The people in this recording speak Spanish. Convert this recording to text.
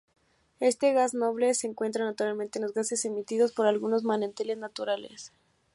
Este gas noble se encuentra naturalmente en los gases emitidos por algunos manantiales naturales.